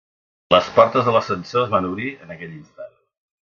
Les portes de l'ascensor es van obrir en aquell instant.